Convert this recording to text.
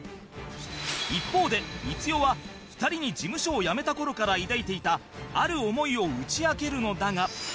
一方で光代は２人に事務所を辞めた頃から抱いていたある思いを打ち明けるのだが